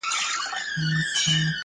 o تر يوې خرما دوې اوڅکي ښې دي٫